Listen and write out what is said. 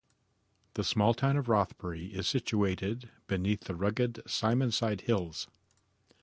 The small town of Rothbury is situated beneath the rugged Simonside Hills.